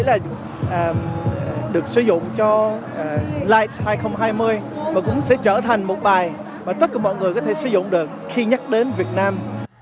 lights hai nghìn hai mươi cũng sẽ trở thành một bài mà tất cả mọi người có thể sử dụng được khi nhắc đến việt nam